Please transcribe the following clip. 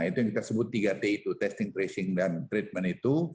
itu yang kita sebut tiga t itu testing tracing dan treatment itu